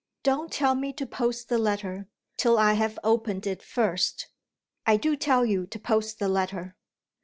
Don't tell me to post the letter, till I've opened it first." "I do tell you to post the letter."